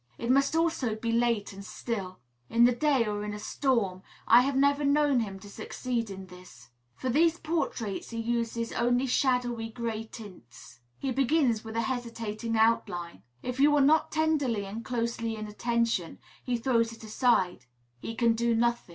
It must also be late and still. In the day, or in a storm, I have never known him to succeed in this. For these portraits he uses only shadowy gray tints. He begins with a hesitating outline. If you are not tenderly and closely in attention, he throws it aside; he can do nothing.